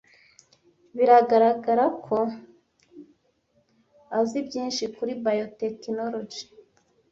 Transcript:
Biragaragara ko azi byinshi kuri biotechnologie.